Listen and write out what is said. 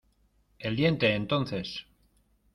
el diente. entonces